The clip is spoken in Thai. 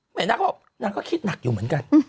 เหมือนนางก็ว่านางก็คิดหนักอยู่เหมือนกัน